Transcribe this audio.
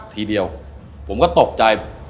ทีเดียวผมก็ตกใจ